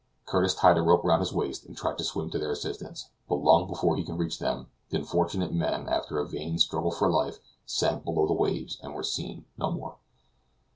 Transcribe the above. Curtis tied a rope round his waist and tried to swim to their assistance; but long before he could reach them, the unfortunate men, after a vain struggle for life, sank below the waves and were seen no more.